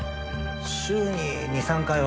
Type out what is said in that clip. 週に２３回は。